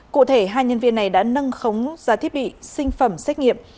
cụ thể hai nhân viên này đã nâng khống giá thiết bị sinh phẩm xét nghiệm